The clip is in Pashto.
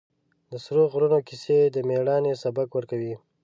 د سرو غرونو کیسې د مېړانې سبق ورکوي.